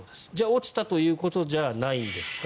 落ちたということじゃないんですか。